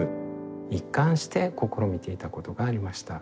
一貫して試みていたことがありました。